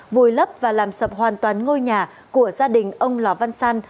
vùi lấp và làm sập hoàn toàn ngôi nhà của gia đình ông lò văn san